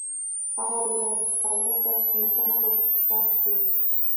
هغه وویل چې فعالیت باید په منظمه توګه ترسره شي.